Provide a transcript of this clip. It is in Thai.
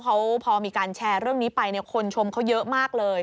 เขาพอมีการแชร์เรื่องนี้ไปเนี่ยคนชมเขาเยอะมากเลย